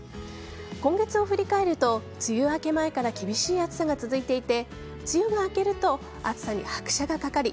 今月は振り返ると梅雨明け前から厳しい暑さが続いていて梅雨が明けると暑さに拍車がかかり